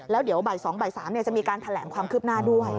แล้วเดี๋ยวบ่าย๒บ่าย๓จะมีการแถลงความคืบหน้าด้วย